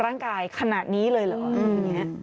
ร่างกายขนาดนี้เลยหรอ